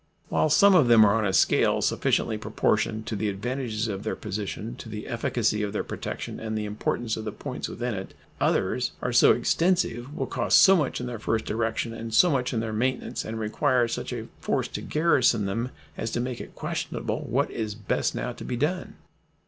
While some of them are on a scale sufficiently proportioned to the advantages of their position, to the efficacy of their protection, and the importance of the points within it, others are so extensive, will cost so much in their first erection, so much in their maintenance, and require such a force to garrison them as to make it questionable what is best now to be done.